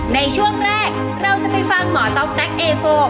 ในช่วงแรกเราจะไปฟังหมอต๊อกแต๊กเอโฟ